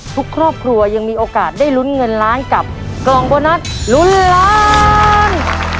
ทุกครอบครัวยังมีโอกาสได้ลุ้นเงินล้านกับกล่องโบนัสลุ้นล้าน